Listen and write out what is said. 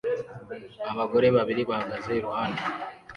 Abagore babiri bahagaze iruhande